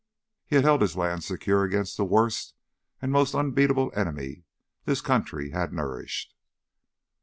He had held his land secure against the worst and most unbeatable enemy this country had nourished.